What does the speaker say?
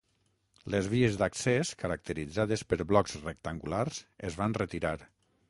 Les vies d"accés, caracteritzades per blocs rectangulars, es van retirar.